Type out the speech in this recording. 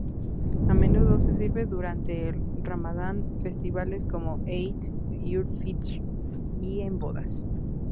A menudo se sirve durante el Ramadán, festivales como Eid ul-Fitr y en bodas.